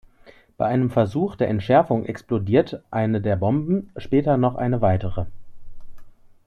Bei einem Versuch der Entschärfung explodiert eine der Bomben, später noch eine weitere.